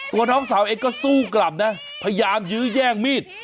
น้องสาวเองก็สู้กลับนะพยายามยื้อแย่งมีด